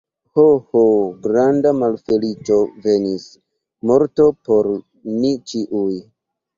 Ho, ho, granda malfeliĉo venis, morto por ni ĉiuj!